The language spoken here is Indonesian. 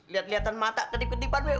liat liatan mata ketip ketipan be